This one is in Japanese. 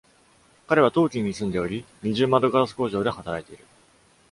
彼はトーキーに住んでおり、二重窓ガラス工場で働いている。